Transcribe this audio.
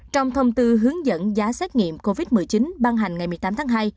trong thông tư hướng dẫn giá xét nghiệm covid một mươi chín ban hành ngày một mươi tám tháng hai